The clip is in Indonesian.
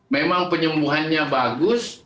memang penyembuhannya bagus